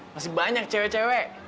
masih banyak cewek cewek